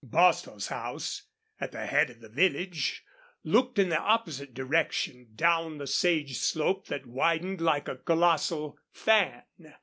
Bostil's house, at the head of the village, looked in the opposite direction, down the sage slope that widened like a colossal fan.